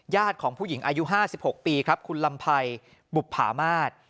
ญาติของผู้หญิงอายุห้าสิบหกปีครับคุณลำพัยบุรบภามาศ